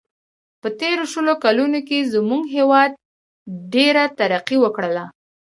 په تېرو شلو کلونو کې زموږ هیواد ډېره ترقي و کړله.